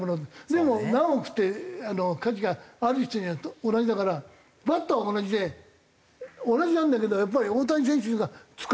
でも何億って価値がある人には同じだから。バットも同じで同じなんだけどやっぱり大谷選手が使ってるバットのほうがいいって。